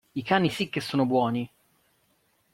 I cani sì che sono buoni!